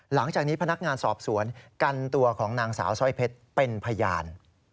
หลังจากนี้พนักงานสอบสวนกันตัวของนางสาวสร้อยเพชรเป็นพยาน